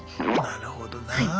なるほどな。